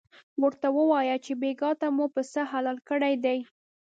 ورته ووایه چې بېګاه ته مو پسه حلال کړی دی.